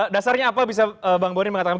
dasarnya apa bisa bang boni mengatakan